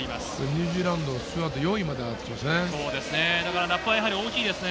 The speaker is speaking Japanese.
ニュージーランド、スチュワート、４位まで上がってきましたね。